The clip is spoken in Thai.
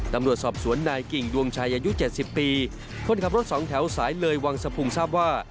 ตำรวจสอบสวนนายกิ่งดวงชัยอายุ๗๐ปีคนขับรถสองแถวสายเลยวังสะพุงทราบว่า